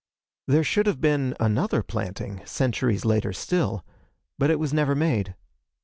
There should have been another planting, centuries later still, but it was never made.